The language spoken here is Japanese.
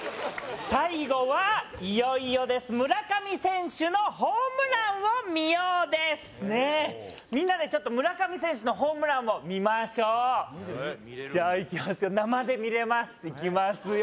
最後はいよいよです村上選手のホームランを見ようですねえみんなでちょっと村上選手のホームランを見ましょうじゃあいきますよ